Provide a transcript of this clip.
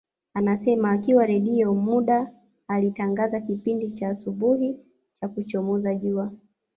Anasema akiwa Redio muda alitangaza kipindi cha asubuhi cha kuchomoza jua